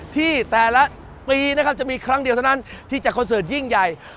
ที่แต่ละปีนะครับจะมีครั้งเดียวเท่านั้นที่จะคอนเสิร์ตยิ่งใหญ่